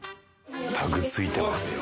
タグついてますよ